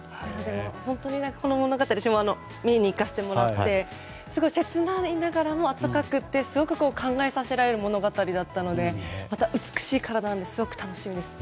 本当にこの物語見に行かせていただいてすごい切ないながらも温かくてすごく考えさせられる物語だったのでまた美しい体も楽しみです。